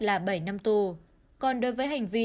là bảy năm tù còn đối với hành vi